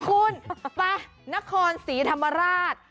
คุณไปนครศรีธรรมราช